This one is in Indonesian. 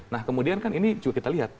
nah kemudian kan ini juga kita lihat